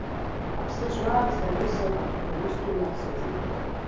Аԥсыжраан саргьы сыҟан, ҳәа усгьы нациҵеит.